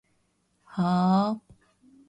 はーーー？